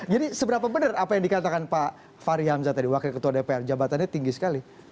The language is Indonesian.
jadi seberapa benar apa yang dikatakan pak hari hamzah tadi wakil ketua dpr jabatannya tinggi sekali